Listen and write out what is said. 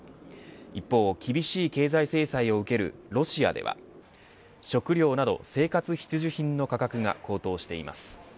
一方、厳しい経済制裁を受けるロシアでは食料など生活必需品の価格が高騰しています。